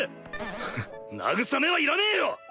慰めはいらねえよ！